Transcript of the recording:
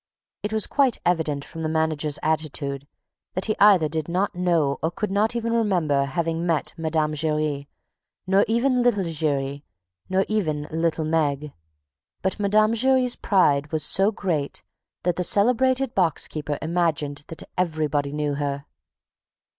It was quite evident from the manager's attitude, that he either did not know or could not remember having met Mme. Giry, nor even little Giry, nor even "little Meg!" But Mme. Giry's pride was so great that the celebrated box keeper imagined that everybody knew her.